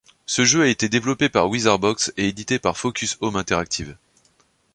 Ce jeu a été développé par Wizarbox et édité par Focus Home Interactive.